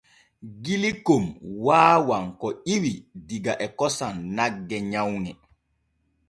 Gilkon waawan ko ƴiwi diga e kosam nagge nyawŋe.